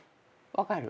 分かる。